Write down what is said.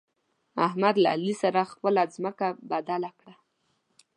احمد له علي سره خپله ځمکه بدله کړه.